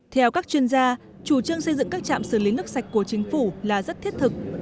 theo các chuyên gia chủ trương xây dựng các trạm xử lý nước sạch của chính phủ là rất thiết thực